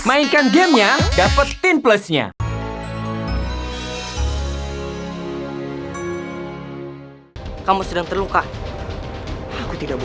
mainkan gamenya dapetin plusnya